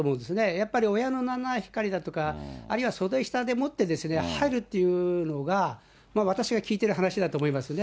やっぱり親の七光りだとか、あるいは、袖下でもって入るっていうのが、私が聞いている話だと思いますね。